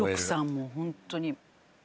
もうホントに。